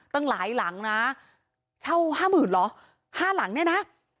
ตั้งหลายหลังนะเช่าห้าหมื่นเหรอห้าหลังเนี่ยนะ